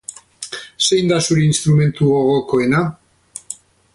Zein da zure instrumentu gogokoena?